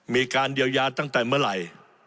มีการเยียวยาตั้งแต่เมื่อไหร่